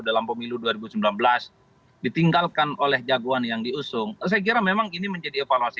dalam pemilu dua ribu sembilan belas ditinggalkan oleh jagoan yang diusung saya kira memang ini menjadi evaluasi